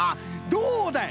どうだい！